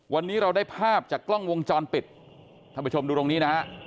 วันนี้เราได้ภาพจากกล้องวงจรปิดท่านผู้ชมดูตรงนี้นะฮะ